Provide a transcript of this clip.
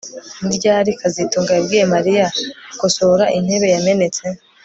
Ni ryari kazitunga yabwiye Mariya gukosora intebe yamenetse